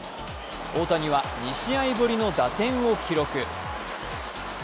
大谷は２試合ぶりの打点を記録。